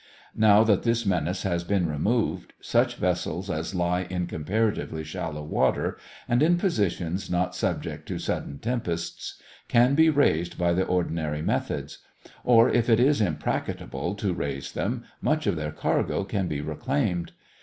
Now that this menace has been removed, such vessels as lie in comparatively shallow water, and in positions not subject to sudden tempests, can be raised by the ordinary methods; or if it is impracticable to raise them, much of their cargo can be reclaimed.